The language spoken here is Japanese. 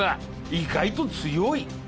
意外と強い！